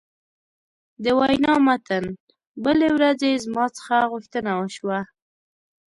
د وینا متن: بلې ورځې زما څخه غوښتنه وشوه.